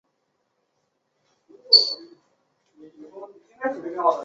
指出麦卡锡名单上大部分人是应该合理地被怀疑有安全风险。